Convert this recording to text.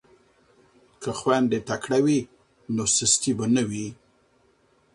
که خویندې تکړه وي نو سستي به نه وي.